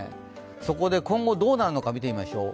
そこで今後、どうなるのか見ていきましょう。